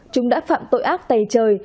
chúng đã phạm tội ác tay trời